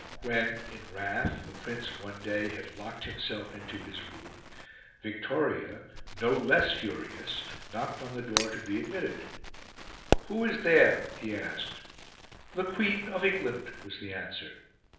When, in wrath, the Prince one day had locked himself into his room, Victoria, no less furious, knocked on the door to be admitted. "Who is there?" he asked. "The Queen of England" was the answer.